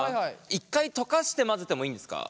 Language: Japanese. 一回溶かして混ぜてもいいんですか？